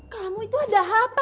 kamu itu ada apa